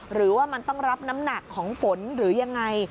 หรือว่ามันต้องรับน้ำหนักของฝนหรือยังไง